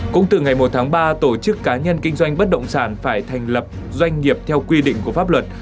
cũng từ ngày một tháng ba tổ chức cá nhân kinh doanh bất động sản phải thành lập doanh nghiệp theo quy định của pháp luật